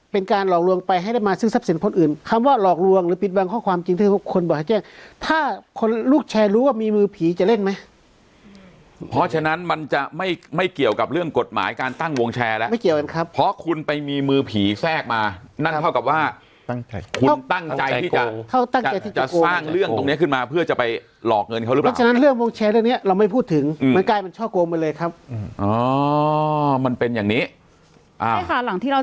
เป็นการหลอกลวงไปให้ได้มาซึ่งทรัพย์สินพลอดอื่นคำว่าหลอกลวงหรือปิดวางข้อความจริงถ้าคนบอกแบบนี้ถ้าคนลูกแชร์รู้ว่ามีมือผีจะเล่นไหมเพราะฉะนั้นมันจะไม่ไม่เกี่ยวกับเรื่องกฎหมายการตั้งวงแชร์แล้วไม่เกี่ยวกันครับเพราะคุณไปมีมือผีแทรกมานั่นเท่ากับว่าตั้งใจคุณตั้งใจที่จะตั้งใจที่